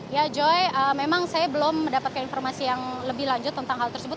ya joy memang saya belum mendapatkan informasi yang lebih lanjut tentang hal tersebut